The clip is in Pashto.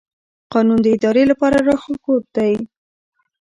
قانون د ادارې لپاره لارښود دی.